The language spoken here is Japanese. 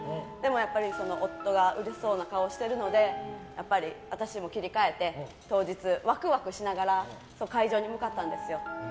やっぱり夫がうれしそうな顔をしてるので私も切り替えて、当日ワクワクしながら会場に向かったんですよ。